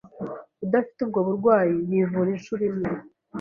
udafite ubwo burwayi yivura inshuro imwe